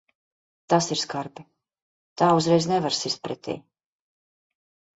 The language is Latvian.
Tas ir skarbi. Tā uzreiz nevar sist pretī.